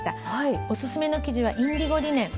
おすすめの生地はインディゴリネン。